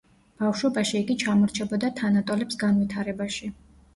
ბავშვობაში იგი ჩამორჩებოდა თანატოლებს განვითარებაში.